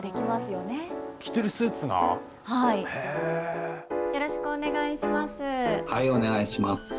よろしくお願いします。